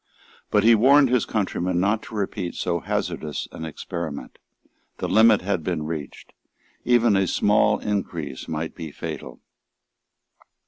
But he warned his countrymen not to repeat so hazardous an experiment. The limit had been reached. Even a small increase might be fatal.